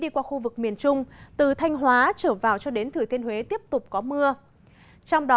xin chào các bạn